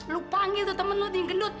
lo panggil tuh temen lo yang gendut